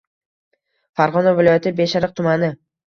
Farg‘ona viloyati Beshariq tumani